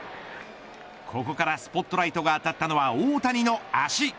ここからスポットライトが当たったのは大谷の足。